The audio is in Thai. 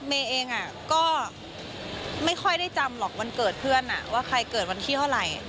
เมย์เองก็ไม่ค่อยได้จำหรอกวันเกิดเพื่อนว่าใครเกิดวันที่เท่าไหร่